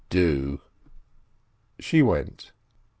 "Do." She went.